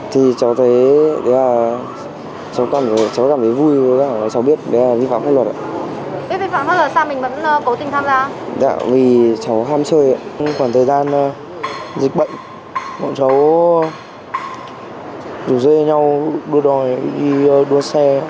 trong thời gian dịch bệnh bọn cháu rủ dưới nhau đuôi đòi đi đua xe